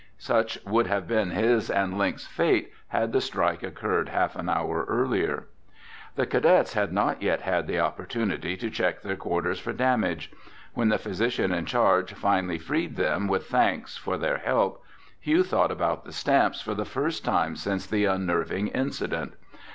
Such would have been his and Link's fate had the strike occurred half an hour earlier. The cadets had not yet had the opportunity to check their quarters for damage. When the physician in charge finally freed them with thanks for their help, Hugh thought about the stamps for the first time since the unnerving incident.